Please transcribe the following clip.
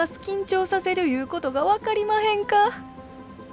緊張させるいうことが分かりまへんか！